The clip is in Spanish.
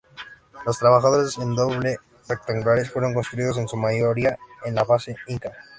Los trabajos en adobe rectangulares fueron construidos en su mayoría en la fase inca.